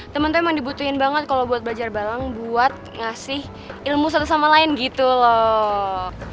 temen tuh emang dibutuhin banget kalau buat belajar bareng buat ngasih ilmu satu sama lain gitu loh